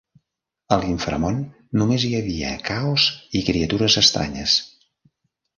A l'inframón només hi havia caos i criatures estranyes.